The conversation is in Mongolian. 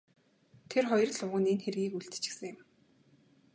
Тэр хоёр л уг нь энэ хэргийг үйлдчихсэн юм.